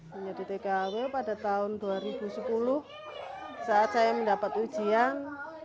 menjadi tkw pada tahun dua ribu sepuluh saat saya mendapat ujian